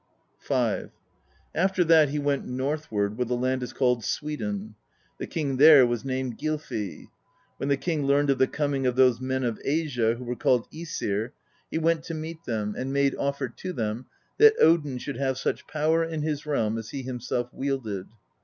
After that he went northward, where the land is called Sweden; the king there was named Gylfi. When the king learned of the coming of those men of Asia, who were called JEsky he went to meet them, and made offer to them that Odin should have such power in his realm as he him self wielded.